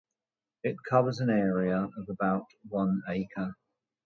It covers an area of about one acre.